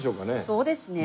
そうですね。